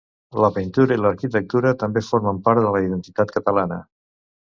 La pintura i l'arquitectura també formen part de la identitat catalana.